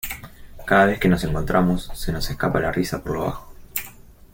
Cada vez que nos encontramos, se nos escapa la risa por lo bajo.